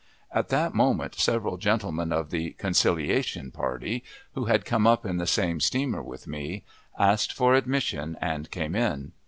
At that moment several gentlemen of the "Conciliation party," who had come up in the same steamer with me, asked for admission and came in.